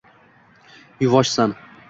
Yuvoshsan.